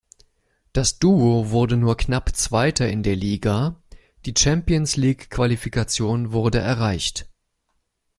Das Duo wurde nur knapp Zweiter in der Liga, die Champions-League-Qualifikation wurde erreicht.